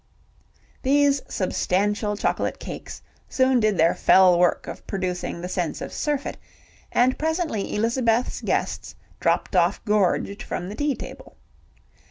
These substantial chocolate cakes soon did their fell work of producing the sense of surfeit, and presently Elizabeth's guests dropped off gorged from the tea table.